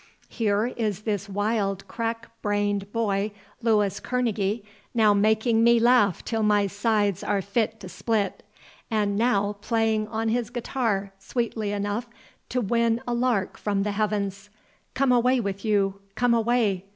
Here is this wild crack brained boy Louis Kerneguy, now making me laugh till my sides are fit to split, and now playing on his guitar sweetly enough to win a lark from the heavens.—Come away with you, come away.